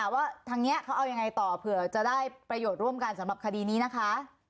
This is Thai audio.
ว่าทางนี้เขาเอายังไงต่อเผื่อจะได้ประโยชน์ร่วมกันสำหรับคดีนี้นะคะ